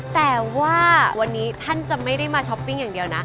แต่ว่าวันนี้ท่านจะไม่ได้มาช้อปปิ้งอย่างเดียวนะ